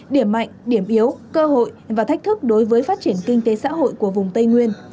điểm mạnh điểm yếu cơ hội và thách thức đối với phát triển kinh tế xã hội của vùng tây nguyên